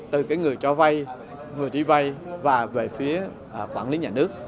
từ cái người cho vay người đi vay và về phía quản lý nhà nước